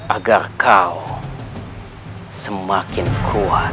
agar kau semakin kuat